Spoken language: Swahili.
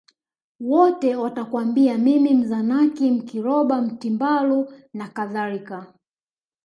Wote watakwambia mimi Mzanaki Mkiroba Mtimbaru nakadhalika